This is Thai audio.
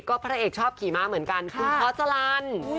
ก็พระเอกชอบขี่ม้าเหมือนกันคุณพอสลัน